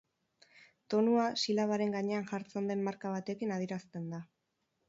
Tonua silabaren gainean jartzen den marka batekin adierazten da.